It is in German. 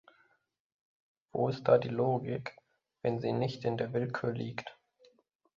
Wo ist da die Logik, wenn sie nicht in der Willkür liegt?